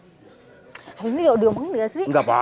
ini udah omong gak sih